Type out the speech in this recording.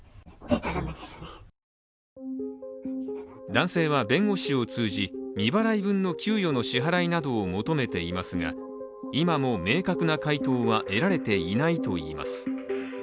男性は弁護士を通じ、未払い分の給与の支払いなどを求めていますが、今も明確な回答は得られていないといいます。